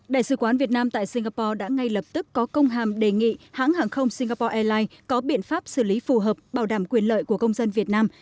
đại sứ quán việt nam tại singapore đã ngay lập tức có công hàm đề nghị hãng hàng không singapore airlines có biện pháp xử lý phù hợp bảo đảm quyền lợi của công dân việt nam